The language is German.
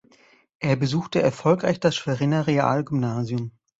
Er besuchte erfolgreich das Schweriner Realgymnasium.